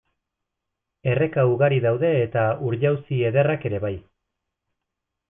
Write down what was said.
Erreka ugari daude eta ur-jauzi ederrak ere bai.